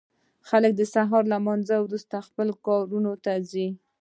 خلک د سهار له لمانځه وروسته خپلو کارونو ته ځي.